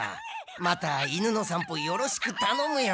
また犬のさんぽよろしくたのむよ。